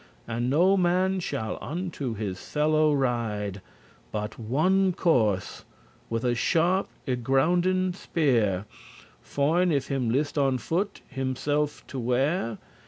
And no man shall unto his fellow ride But one course, with a sharp y grounden spear: *Foin if him list on foot, himself to wear.